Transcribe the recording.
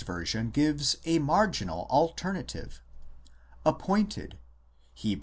gives a marginal alternative, "appointed, Heb.